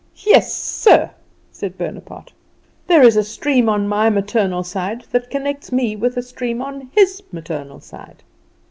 Yes, sir," said Bonaparte, "there is a stream on my maternal side that connects me with a stream on his maternal side."